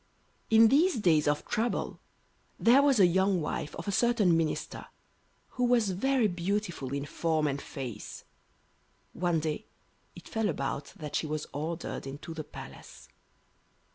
In these days of trouble there was a young wife of a certain minister, who was very beautiful in form and face. One day it fell about that she was ordered into the Palace.